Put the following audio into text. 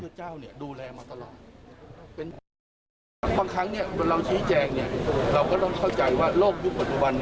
บางครั้งเราชี้แจ้งเราก็ต้องเข้าใจว่าโลกยุคปัจจุบัน